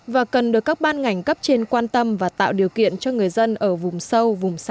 và cần được các ban ngành cấp trên quan tâm và tạo điều kiện cho người dân ở vùng sâu vùng xa